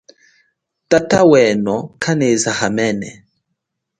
Tata weno kaneza hamene.